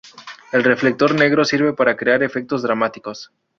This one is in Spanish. El reflector negro sirve para crear efectos dramáticos.